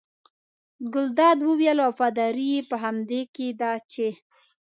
ګلداد وویل وفاداري یې په همدې کې ده چې.